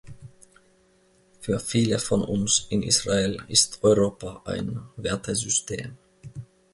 Für viele von uns in Israel ist Europa ein Wertesystem.